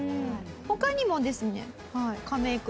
他にもですねカメイ君